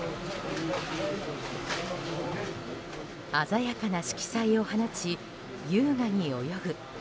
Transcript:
鮮やかな色彩を放ち優雅に泳ぐ。